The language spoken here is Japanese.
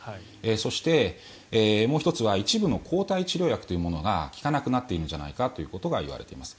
そして、もう１つは一部の抗体治療薬というものが効かなくなっているんじゃないかということがいわれています。